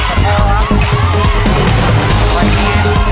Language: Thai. กุญแจมีการเลือกเวลา๒๕วินาทีไม่หลุม